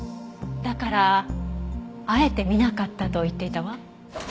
だからあえて見なかったと言っていたわ。